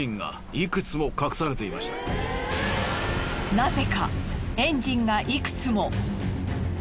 なぜかエンジンがいくつも。